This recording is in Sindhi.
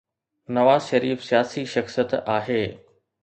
نواز شريف سياسي شخصيت آهي.